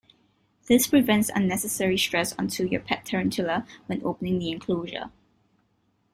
This prevents unnecessary stress unto your pet tarantula when opening the enclosure.